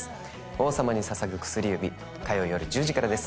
「王様に捧ぐ薬指」火曜よる１０時からです